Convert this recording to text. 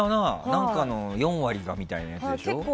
何かの４割が、みたいなやつ。